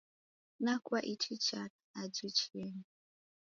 nakua ichi chana aje chienyi.